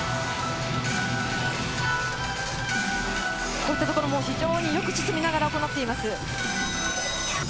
こういったところもよく進みながら行っています。